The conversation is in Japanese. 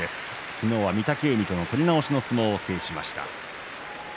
昨日は御嶽海との取り直しの相撲を制しました。